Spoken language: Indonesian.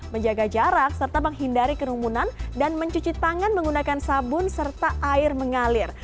menjaga jarak serta menghindari kerumunan dan mencuci tangan menggunakan sabun serta air mengalir